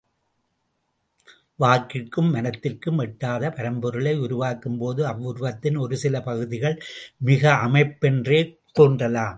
வாக்கிற்கும் மனத்திற்கும் எட்டாத பரம்பொருளை உருவாக்கும்போது அவ்வுருவத்தின் ஒரு சில பகுதிகள் மிகை அமைப்பு என்றே தோன்றலாம்.